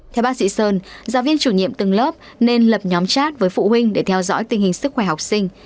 theo bác sĩ sơn giáo viên chủ nhiệm từng lớp nên lập nhóm chat với phụ huynh để theo dõi tình hình sức khỏe học sinh